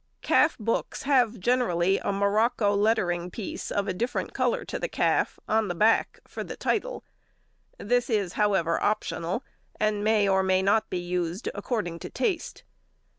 Calf books have generally a morocco lettering piece of a different colour to the calf on the back for the title. This is, however, optional, and may or may not be used, according to taste.